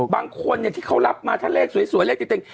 บางคนที่เขารับมาถ้าเลขสวยเลขติด